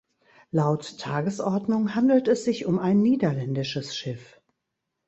Laut Tagesordnung handelt es sich um ein niederländisches Schiff.